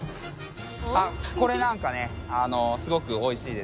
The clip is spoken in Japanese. あっこれなんかねすごく美味しいですよ。